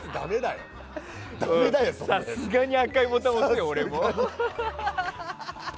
さすがに赤いボタンを押すよ俺も。